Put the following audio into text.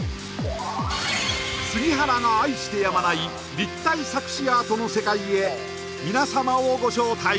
杉原が愛してやまない立体錯視アートの世界へ皆様をご招待！